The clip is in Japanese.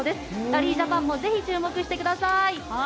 ラリージャパンもぜひ注目してください！